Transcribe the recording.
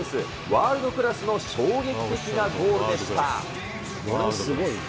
ワールドクラスの衝撃的なゴールでした。